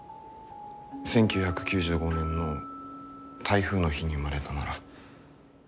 １９９５年の台風の日に生まれたなら。